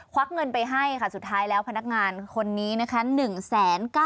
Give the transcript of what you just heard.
วักเงินไปให้ค่ะสุดท้ายแล้วพนักงานคนนี้นะคะ